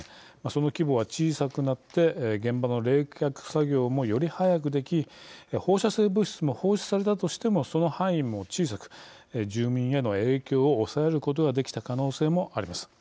その規模は小さくなって現場の冷却作業もより早くでき放射性物質も放出されたとしてもその範囲も小さく住民への影響を抑えることができた可能性もあります。